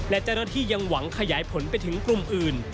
และเจ้าหน้าที่ยังหวังขยายผลไปถึงกลุ่มอื่น